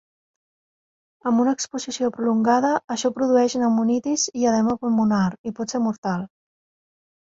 Amb una exposició prolongada, això produeix pneumonitis i edema pulmonar, i pot ser mortal.